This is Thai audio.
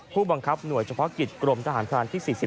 ผู้บังคับหน่วยเฉพาะกิจกรมทหารพรานที่๔๑